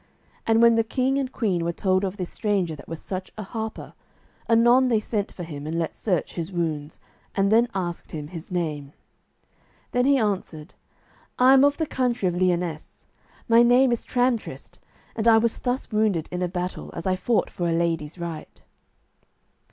And when the king and queen were told of this stranger that was such a harper, anon they sent for him and let search his wounds, and then asked him his name. Then he answered, "I am of the country of Lyonesse; my name is Tramtrist, and I was thus wounded in a battle, as I fought for a lady's right."